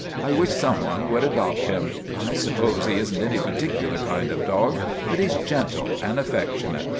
' I wish some one would adopt him. I suppose he is n't any particular kind of dog; but he 's gentle and affectionate.